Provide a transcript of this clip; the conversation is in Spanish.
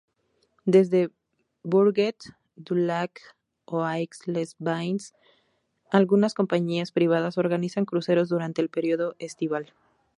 Desde Bourget-du-Lac o Aix-les-Bains algunas compañías privadas organizan cruceros durante el período estival.